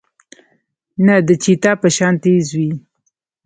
نۀ د چيتا پۀ شان تېز وي